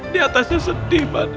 di atasnya sedih pak d